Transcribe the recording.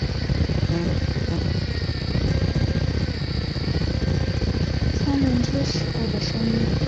三轮车驶过的声音